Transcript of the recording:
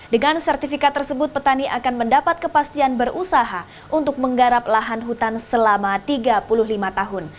dengan sertifikat tersebut petani akan mendapat kepastian berusaha untuk menggarap lahan hutan selama tiga puluh lima tahun